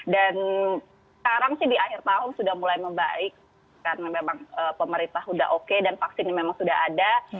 dan sekarang sih di akhir tahun sudah mulai membaik karena memang pemerintah sudah oke dan vaksinnya memang sudah ada